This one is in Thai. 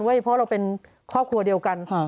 เพราะเราเป็นครอบครัวเดียวกัน